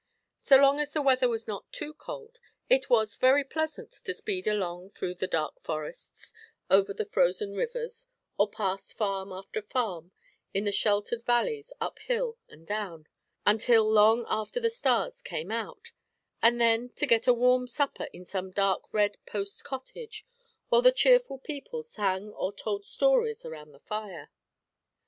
So long as the weather was not too cold, it was very pleasant to speed along through the dark forests, over the frozen rivers, or past farm after farm in the sheltered valleys up hill and down, until long after the stars came out, and then to get a warm supper in some dark red post cottage, while the cheerful people sang or told stories around the fire.